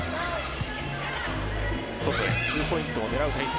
外へツーポイントを狙う体制。